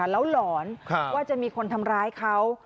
แล้วหลอนว่าจะมีคนทำร้ายเขา